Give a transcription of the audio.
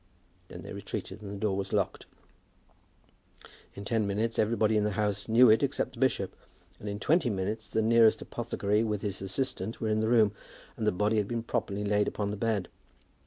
Then they retreated and the door was locked. In ten minutes everybody in the house knew it except the bishop; and in twenty minutes the nearest apothecary with his assistant were in the room, and the body had been properly laid upon the bed.